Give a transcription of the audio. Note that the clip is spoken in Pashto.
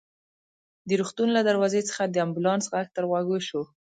د روغتون له دروازې څخه د امبولانس غږ تر غوږو شو.